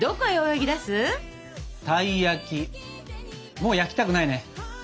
もう焼きたくないね。